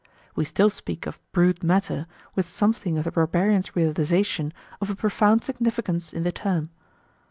We still speak of "brute matter" with something of the barbarian's realisation of a profound significance in the term.